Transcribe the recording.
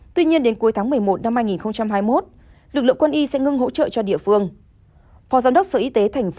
tuy nhiên đến cuối tháng một mươi một năm hai nghìn hai mươi một lực lượng quân y sẽ ngưng hỗ trợ cho địa phương